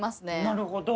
なるほど。